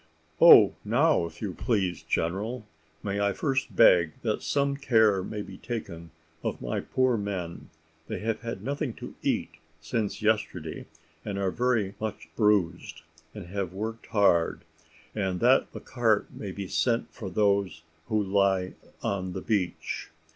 "Oh now, if you please, general. May I first beg that some care may be taken of my poor men; they have had nothing to eat since yesterday, are very much bruised, and have worked hard; and that a cart may be sent for those who lie on the beach?"